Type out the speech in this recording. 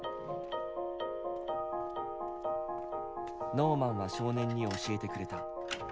ノーマンは少年に教えてくれた。